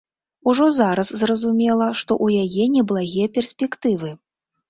Ужо зараз зразумела, што ў яе неблагія перспектывы.